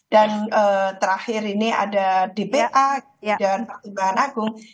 dan terakhir ini ada dpa dan partai bahan agung